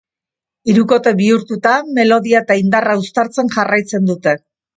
Hirukote bihurtuta, melodia eta indarra uztartzen jarraitzen dute.